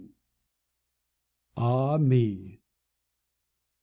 ] AH ME!